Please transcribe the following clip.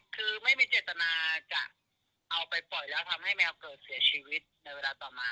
คือไม่มีเจตนาจะเอาไปปล่อยแล้วทำให้แมวเกิดเสียชีวิตในเวลาต่อมา